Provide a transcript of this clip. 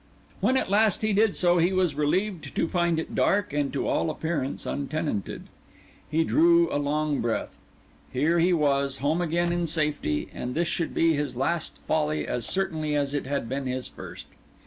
When at last he did so he was relieved to find it dark, and to all appearance, untenanted. He drew a long breath. Here he was, home again in safety, and this should be his last folly as certainly as it had been his first.